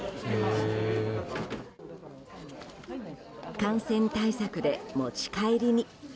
感染対策で持ち帰りに。